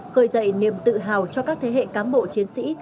khởi dậy niềm tự hào cho các thế hệ cán bộ chiến sĩ